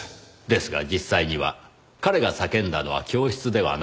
ですが実際には彼が叫んだのは教室ではなく。